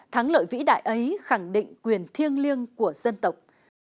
thắng lợi vĩ đại ấy khẳng định quyền thiêng liêng của dân tộc